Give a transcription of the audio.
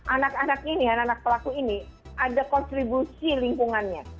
anak anak ini anak anak pelaku ini ada kontribusi lingkungannya